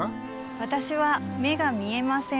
わたしは目が見えません。